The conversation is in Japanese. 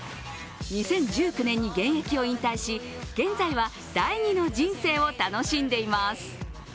２０１９年に現役を引退し、現在は第二の人生を楽しんでいます。